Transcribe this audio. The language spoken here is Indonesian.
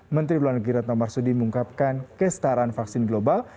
menteri luar negeri retno marsudi mengungkapkan kestaraan vaksin global